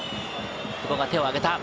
久保が手を挙げた。